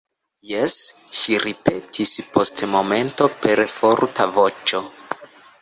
Jes, ŝi ripetis post momento per forta voĉo.